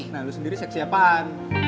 nah lo sendiri seksi apaan